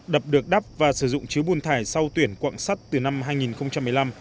đập được đắp và sử dụng chứa bùn thải sau tuyển quặng sắt từ năm hai nghìn một mươi năm